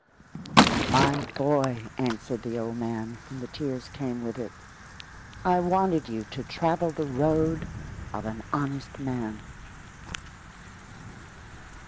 "My boy," answered the old man, and the tears came with it, "I wanted you to travel the road of an honest man."